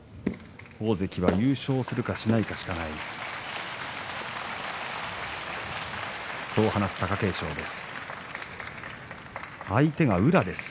大関は優勝するか、しないかしかない、そう話す貴景勝です。